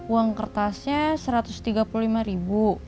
uang kertasnya rp satu ratus tiga puluh lima ribu